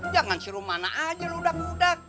jangan si rumana aja lo udak udak